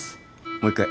もう一回。